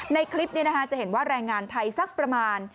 ในคลิปนี้จะเห็นว่าแรงงานไทยสักประมาณ